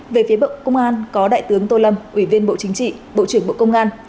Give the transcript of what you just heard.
về phía bộ công an có đại tướng tô lâm ủy viên bộ chính trị bộ trưởng bộ công an